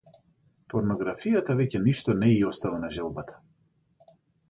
Порнографијата веќе ништо не ѝ остава на желбата.